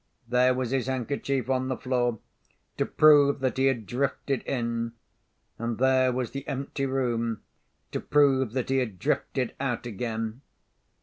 There was his handkerchief on the floor, to prove that he had drifted in. And there was the empty room to prove that he had drifted out again.